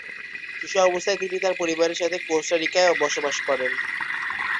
শিশু অবস্থায় তিনি তার পরিবারের সাথে কোস্টারিকায় বসবাস করেন।